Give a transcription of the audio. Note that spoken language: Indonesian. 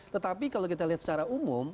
tetapi kalau kita lihat secara umum